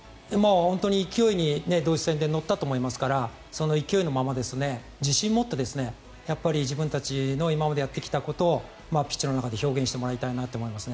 本当に勢いにドイツ戦で乗ったと思いますからその勢いのまま自信を持って自分たちの今までやってきたことをピッチの中で表現してもらいたいなと思います。